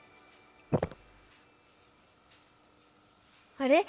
あれ？